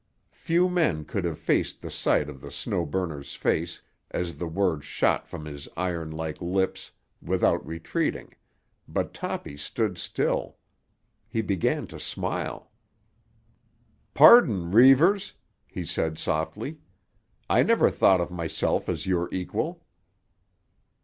Few men could have faced the sight of the Snow Burner's face as the words shot from his iron like lips without retreating, but Toppy stood still. He began to smile. "Pardon, Reivers," he said softly, "I never thought of myself as your equal."